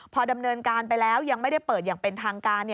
พอดำเนินการไปแล้วยังไม่ได้เปิดอย่างเป็นทางการ